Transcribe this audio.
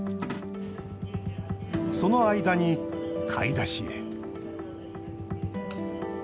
その間に、買い出しへ。